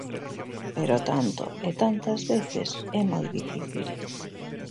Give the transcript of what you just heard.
Pero tanto e tanta veces, é moi difícil.